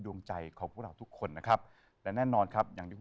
ด้วยความรักด้วยพักดี